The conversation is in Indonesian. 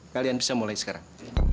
kalian bisa mulai sekarang